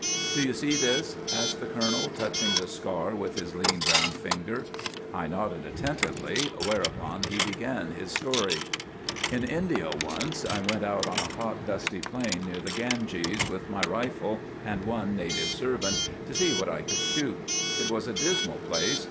"'Do you see this?' asked the colonel, touching the scar with his lean, brown finger. I nodded attentively, whereupon he began his story:— "'In India once I went out on a hot, dusty plain near the Ganges, with my rifle and one native servant, to see what I could shoot. It was a dismal place.